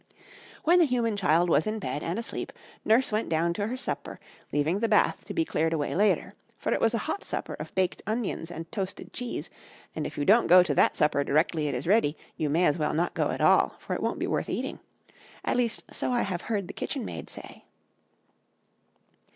"When the human child was in bed and asleep, Nurse went down to her supper, leaving the bath to be cleared away later, for it was a hot supper of baked onions and toasted cheese, and if you don't go to that supper directly it is ready, you may as well not go at all, for it won't be worth eating at least so I have heard the kitchenmaid say.